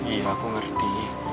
iya aku ngerti